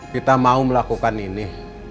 kita mau melakukan ini